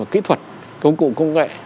kỹ thuật công cụ công nghệ